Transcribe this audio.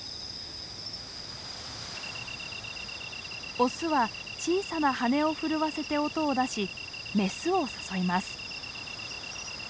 オスは小さな羽を震わせて音を出しメスを誘います。